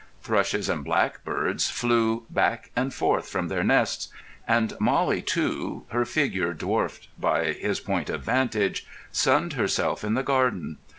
Thrushes and blackbirds flew back and forth from their nests; and Mollie, too, her figure dwarfed by his point of vantage, sunned herself in the garden.